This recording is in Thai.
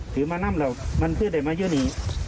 ถึงมะน้ำหรอกมันเพื่อจะใหม่ยื่อนี้